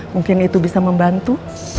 mungkin itu bisa membantu